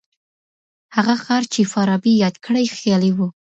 هغه ښار چي فارابي یاد کړی خیالي و.